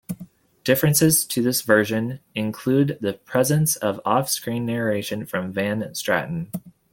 Differences to this version include the presence of off-screen narration from Van Stratten.